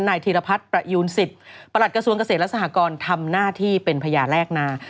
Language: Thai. ธีรพัฒน์ประยูนสิทธิ์ประหลัดกระทรวงเกษตรและสหกรณ์ทำหน้าที่เป็นพญาแลกนา